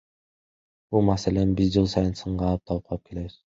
Бул маселени биз жыл сайын сынга алып, талкуулап келебиз.